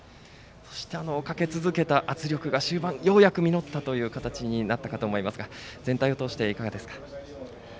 かけ続けた圧力が終盤実った形になったかと思いますが全体を通していかがですか？